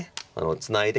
ツナいで